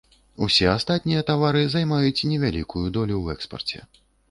Усе астатнія тавары займаюць невялікую долю ў экспарце.